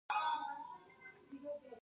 آیا د کاناډا پورونه د کنټرول وړ نه دي؟